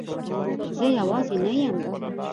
زه یوازی نه یم